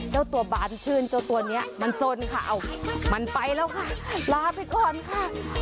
เจ้าตัวบานชื่นเจ้าตัวนี้มันสนค่ะมันไปแล้วค่ะลาไปก่อนค่ะ